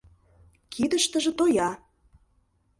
Кидыштыже тоя.